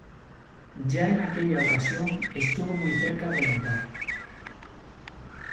Ya en aquella ocasión estuvo muy cerca de anotar.